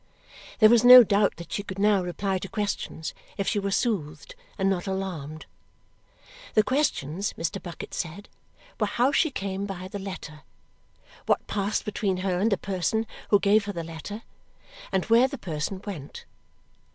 There was no doubt that she could now reply to questions if she were soothed and not alarmed. The questions, Mr. Bucket said, were how she came by the letter, what passed between her and the person who gave her the letter, and where the person went.